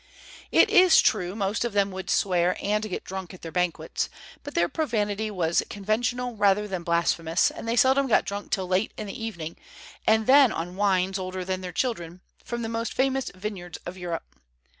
It is true, most of them would swear, and get drunk at their banquets; but their profanity was conventional rather than blasphemous, and they seldom got drunk till late in the evening, and then on wines older than their children, from the most famous vineyards of Europe.